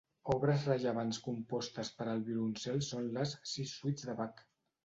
Obres rellevants compostes per al violoncel són les Sis suites de Bach.